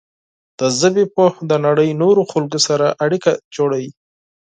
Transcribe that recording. د ژبې پوهه د نړۍ د نورو خلکو سره اړیکه جوړوي.